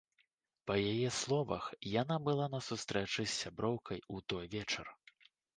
Па яе словах, яна была на сустрэчы з сяброўкай у той вечар.